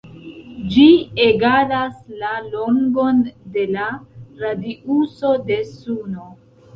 Ĝi egalas la longon de la radiuso de Suno.